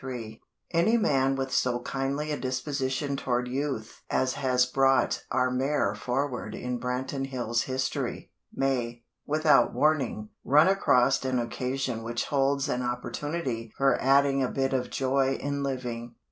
XXIII Any man with so kindly a disposition toward Youth as has brought our Mayor forward in Branton Hills' history, may, without warning, run across an occasion which holds an opportunity for adding a bit of joy in living.